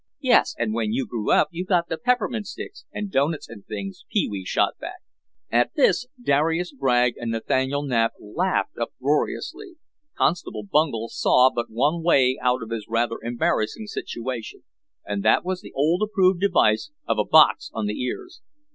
"Yes, and when you grew up you got the peppermint sticks and doughnuts and things," Pee wee shot back. At this Darius Dragg and Nathaniel Knapp laughed uproariously. Constable Bungel saw but one way out of his rather embarrassing situation and that was the old approved device of a box on the ears.